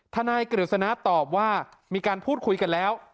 นายกฤษณะตอบว่ามีการพูดคุยกันแล้ว